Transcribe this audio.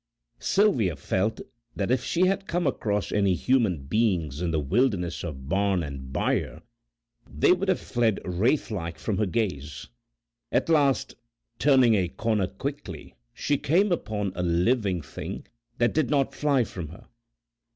Sylvia felt that if she had come across any human beings in this wilderness of barn and byre they would have fled wraith like from her gaze. At last, turning a corner quickly, she came upon a living thing that did not fly from her.